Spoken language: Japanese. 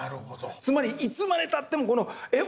つまりいつまでたってもえっ？